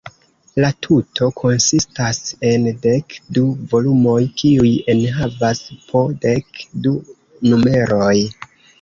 La tuto konsistas en dek du volumoj, kiuj enhavas po dek du numeroj.